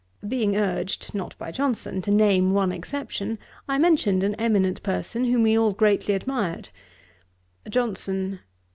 Being urged, (not by Johnson) to name one exception, I mentioned an eminent person, whom we all greatly admired. JOHNSON.